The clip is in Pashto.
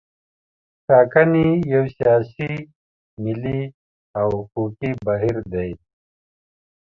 ټاکنې یو سیاسي، ملي او حقوقي بهیر دی.